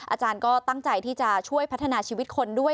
อาจารย์ก็ตั้งใจที่จะช่วยพัฒนาชีวิตคนด้วย